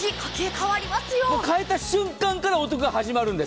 変えた瞬間からお得が変わるんです。